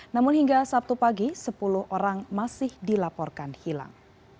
namun hingga sabtu pagi sepuluh orang masih dilaporkan hilang